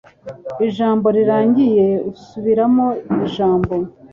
Ijambo rirangiye asubiramo ijambo.